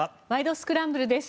スクランブル」です。